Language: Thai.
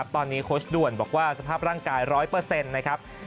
ตอนนี้โค้ชด่วนบอกว่าสภาพร่างกาย๑๐๐นะครับ